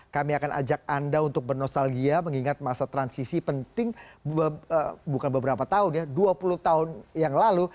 kami akan ajak anda untuk bernostalgia mengingat masa transisi penting bukan beberapa tahun ya dua puluh tahun yang lalu